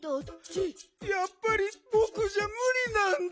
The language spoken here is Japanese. やっぱりぼくじゃむりなんだ。